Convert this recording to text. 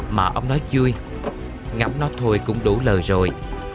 mà ông nói chui ngắm nó thôi cũng đủ lời rồi